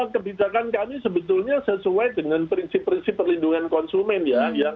kebijakan kami sebetulnya sesuai dengan prinsip prinsip perlindungan konsumen ya